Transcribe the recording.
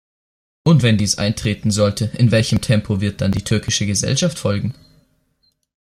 Und wenn dies eintreten sollte, in welchem Tempo wird dann die türkische Gesellschaft folgen?